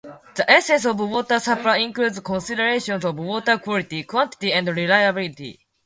The essence of water supply includes considerations of water quality, quantity, and reliability.